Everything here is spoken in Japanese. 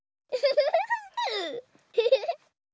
フフフ。